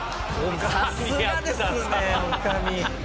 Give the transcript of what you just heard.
さすがですね女将。